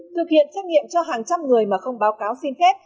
thực hiện xét nghiệm cho hàng trăm người mà không báo cáo xin phép